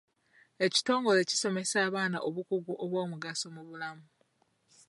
Ekitongole kisomesa abaana obukugu obw'omugaso mu bulamu.